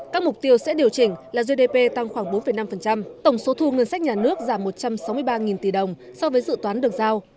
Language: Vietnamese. các mục tiêu sẽ điều chỉnh là gdp tăng khoảng bốn năm tổng số thu ngân sách nhà nước giảm một trăm sáu mươi ba tỷ đồng so với dự toán được giao